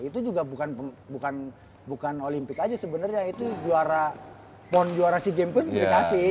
itu juga bukan olimpik aja sebenernya itu juara pon juara sea games pun dikasih gitu